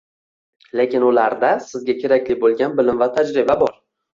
Lekin ularda sizga kerakli bo’lgan bilim va tajriba bor